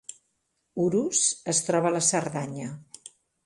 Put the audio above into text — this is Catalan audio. Urús es troba a la Cerdanya